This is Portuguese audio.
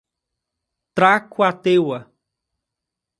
Tracuateua